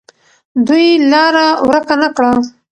دوی لاره ورکه نه کړه.